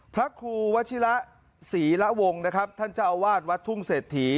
พระครูวัชิระศรีละวงนะครับท่านเจ้าอาวาสวัดทุ่งเศรษฐี